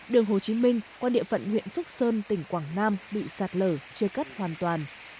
đường hồ chí minh qua địa phận huyện phước sơn tỉnh quảng nam bị sạt lở chia cắt hoàn toàn